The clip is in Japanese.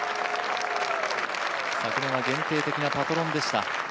昨年は限定的なパトロンでした。